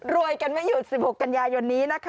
กันไม่หยุด๑๖กันยายนนี้นะคะ